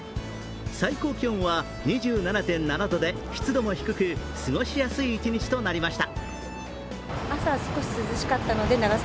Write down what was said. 最高気温は２７．７度で、湿度も低く過ごしやすい一日となりました。